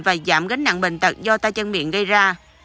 và giảm gánh nặng bệnh tật do tay chân miệng gây ra